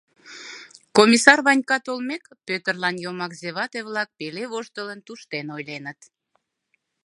Комиссар Ванька толмек, Пӧтырлан йомакзе вате-влак пеле воштылын туштен ойленыт: